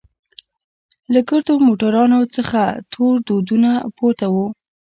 له ګردو موټرانوڅخه تور دودونه پورته وو.